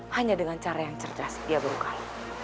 hanya dengan cara yang cerja setia berukal